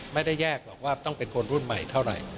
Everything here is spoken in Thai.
ไม่ได้แยกหรอกว่าต้องเป็นคนรุ่นใหม่เท่าไหร่